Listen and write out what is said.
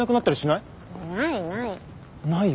ないない。